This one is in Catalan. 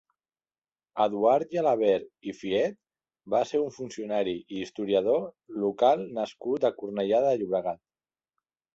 Eduard Gelabert i Fiet va ser un funcionari i historiador local nascut a Cornellà de Llobregat.